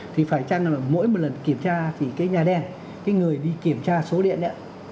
thì phải chăng là mỗi một lần kiểm tra thì cái nhà đèn cái người đi kiểm tra số điện đấy